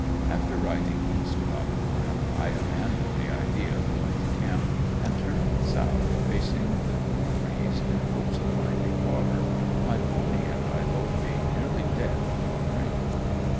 After riding east about a mile, I abandoned the idea of going to camp and turned south facing the cool breeze in hopes of finding water, my pony and I both being nearly dead for a drink.